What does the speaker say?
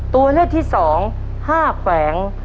ตัวเลือกที่๒๕แขวง